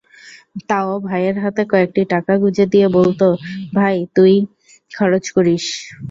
তাও ভাইয়ের হাতে কয়েকটি টাকা গুঁজে দিয়ে বলত, ভাই, তুই খরচ করিস।